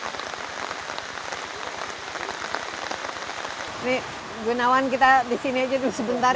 ini gunawan kita disini aja dulu sebentar